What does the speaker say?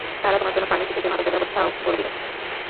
তারা তোমার জন্য ফার্মেসি থেকে মাদকের ব্যবস্থাও করে দিবে।